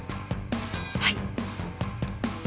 はい